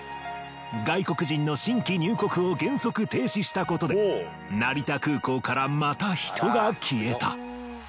外国人の新規入国を原則停止したことで成田空港からまた人が消えた。